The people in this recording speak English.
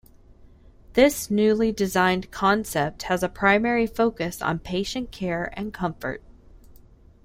This newly designed concept has a primary focus on patient care and comfort.